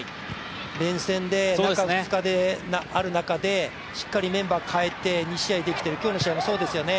連戦で、中２日である中でしっかりメンバー変えて２試合できている、今日の試合もそうですよね。